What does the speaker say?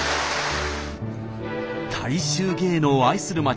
大衆芸能を愛する街